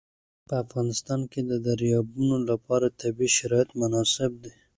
په افغانستان کې د دریابونه لپاره طبیعي شرایط مناسب دي.